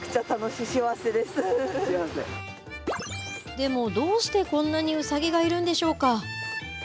でも、どうしてこんなにうさぎがいるんでしょうか。